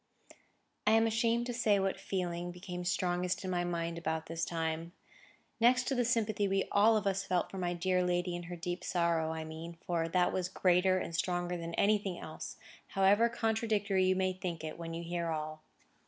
I am ashamed to say what feeling became strongest in my mind about this time; next to the sympathy we all of us felt for my dear lady in her deep sorrow, I mean; for that was greater and stronger than anything else, however contradictory you may think it, when you hear all.